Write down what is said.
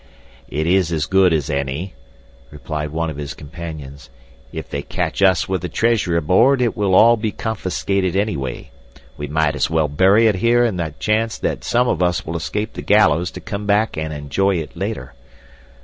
"It is as good as any," replied one of his companions. "If they catch us with the treasure aboard it will all be confiscated anyway. We might as well bury it here on the chance that some of us will escape the gallows to come back and enjoy it later."